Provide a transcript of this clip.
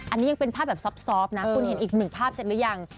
อันนี้ยังเป็นภาพแบบซอบนะคุณเห็นอีกหนึ่งภาพเซ็ตหรือยัง